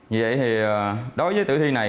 vậy thì đối với tử thi này